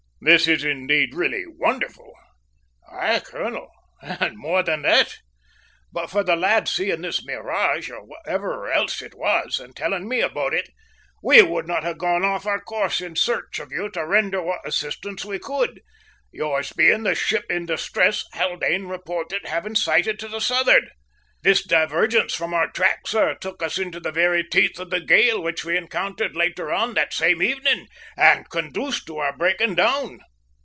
"This is indeed really wonderful!" "Aye, colonel, and more than that! But for the lad seeing this mirage, or whatever else it was, and telling me about it, we would not have gone off our course in search of you to render what assistance we could yours being the `ship in distress' Haldane reported having sighted to the southward. This divergence from our track, sir, took us into the very teeth of the gale which we encountered later on, that same evening, and conduced to our breaking down."